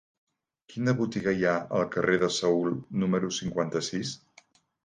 Quina botiga hi ha al carrer de Seül número cinquanta-sis?